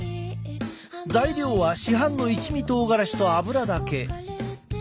材料は市販の一味とうがらしと油だけ。